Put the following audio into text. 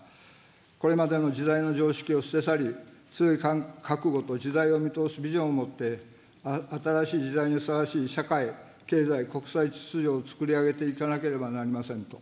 これまでの時代の常識を捨て去り、強い覚悟と時代を見通すビジョンを持って、新しい時代にふさわしい社会、経済、国際秩序を創り上げていかなければなりませんと。